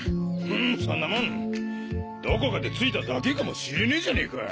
フンそんなもんどこかで付いただけかもしれねぇじゃねぇか。